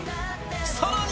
さらに。